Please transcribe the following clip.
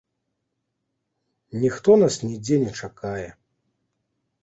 Ніхто нас нідзе не чакае.